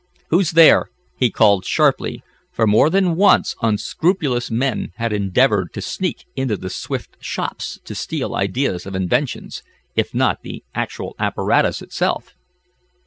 "Who's there?" he called sharply, for, more than once unscrupulous men had endeavored to sneak into the Swift shops to steal ideas of inventions; if not the actual apparatus itself.